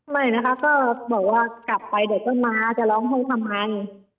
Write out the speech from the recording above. ไม่นะคะก็บอกว่ากลับไปเดี๋ยวต้นม้าจะร้องห้องทำไม